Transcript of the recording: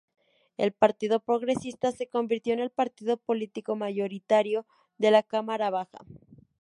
El Partido Progresista se convirtió en el partido político mayoritario de la Cámara Baja.